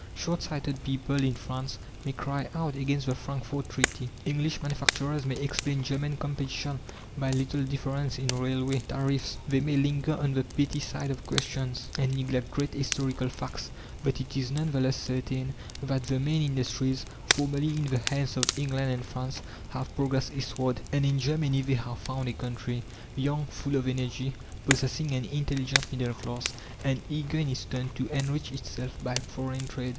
Shortsighted people in France may cry out against the Frankfort Treaty; English manufacturers may explain German competition by little differences in railway tariffs; they may linger on the petty side of questions, and neglect great historical facts. But it is none the less certain that the main industries, formerly in the hands of England and France, have progressed eastward, and in Germany they have found a country, young, full of energy, possessing an intelligent middle class, and eager in its turn to enrich itself by foreign trade.